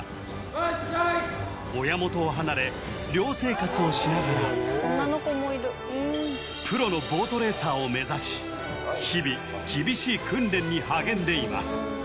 ここではをしながらプロのボートレーサーを目指し日々厳しい訓練に励んでいます